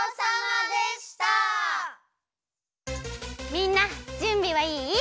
みんなじゅんびはいい？